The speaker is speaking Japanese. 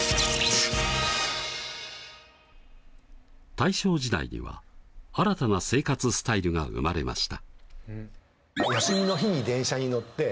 大正時代には新たな生活スタイルが生まれました。